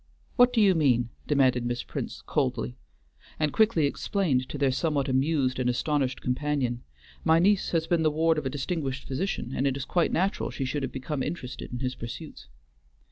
"What do you mean?" demanded Miss Prince, coldly, and quickly explained to their somewhat amused and astonished companion, "My niece has been the ward of a distinguished physician, and it is quite natural she should have become interested in his pursuits."